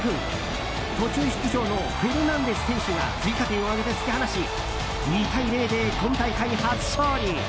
途中出場のフェルナンデス選手が追加点を挙げて突き放し２対０で今大会初勝利。